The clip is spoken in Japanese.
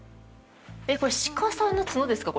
これ鹿さんの角ですか？